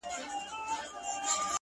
• انصاف څه سو آسمانه زلزلې دي چي راځي,